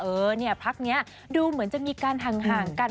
เออเนี่ยพักนี้ดูเหมือนจะมีการห่างกัน